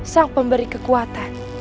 sang pemberi kekuatan